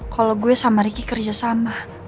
kalau gue sama ricky kerja sama